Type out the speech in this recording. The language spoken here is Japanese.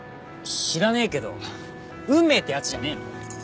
知らねえけど運命ってやつじゃねえの。